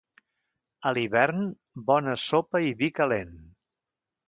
A l'hivern, bona sopa i vi calent.